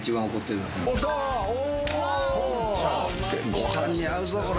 ご飯に合うぞ、これ！